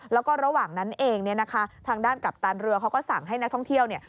แล้วก็ระหว่างนั้นเองเนี่ยนะคะทางด้านกัปตันเรือเขาก็สั่งให้นักท่องเที่ยวเนี่ย